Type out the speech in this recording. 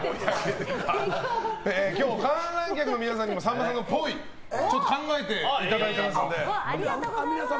今日、観覧客の方にもさんまさんのっぽいを考えていただいてますので。